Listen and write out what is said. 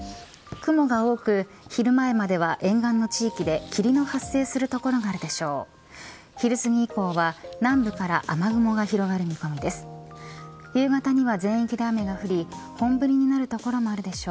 雲が多く、昼前までは沿岸の地域で霧の発生する所があるでしょう。